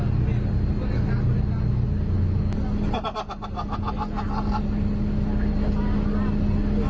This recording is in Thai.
ลูกเซิบเป็นตั้งที่ทิมค้า